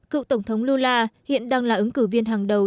cựu tổng thống lula hiện đang là ứng cử viên hàng đầu